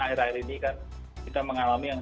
akhir akhir ini kan kita mengalami yang